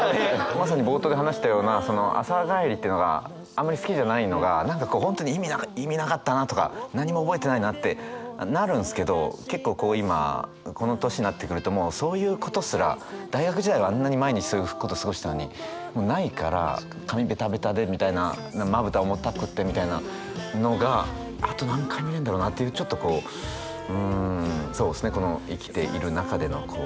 まさに冒頭で話したようなその朝帰りっていうのがあんまり好きじゃないのが何か本当に意味なかったなとか何も覚えてないなってなるんですけど結構こう今この年になってくるともうそういうことすら大学時代はあんなに毎日そういうこと過ごしたのにもうないから髪ベタベタでみたいなまぶた重たくってみたいなのがあと何回見れるんだろうなっていうちょっとこうそうですねこの生きている中での大切な感覚だったのかなって思って。